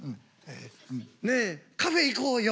ねえカフェ行こうよ。